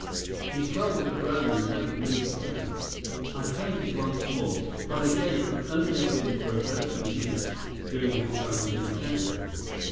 He fell with a groan and never moved again. I fainted once more, but again it could only have been for a very few minutes during which I was insensible.